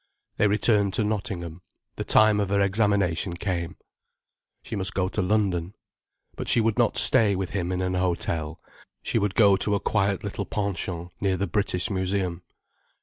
They returned to Nottingham, the time of her examination came. She must go to London. But she would not stay with him in an hotel. She would go to a quiet little pension near the British Museum.